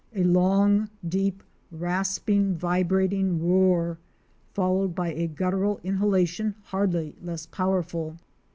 A long, deep, rasping, vibrating roar, followed by a guttural inhalation hardly less powerful.